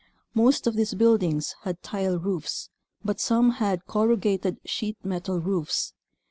Most of these buildings had tile roofs, but some had corrugated sheet metal roofs.